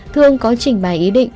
thương có trình bài ý định